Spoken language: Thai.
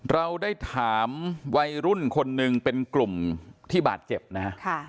เราได้ถามวัยรุ่นคนหนึ่งเป็นกลุ่มที่บาดเจ็บนะฮะ